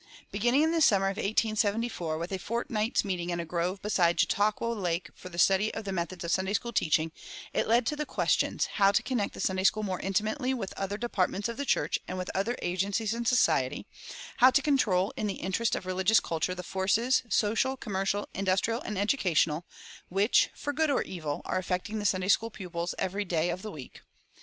Beginning in the summer of 1874 with a fortnight's meeting in a grove beside Chautauqua Lake for the study of the methods of Sunday school teaching, it led to the questions, how to connect the Sunday school more intimately with other departments of the church and with other agencies in society; how to control in the interest of religious culture the forces, social, commercial, industrial, and educational, which, for good or evil, are affecting the Sunday school pupils every day of the week.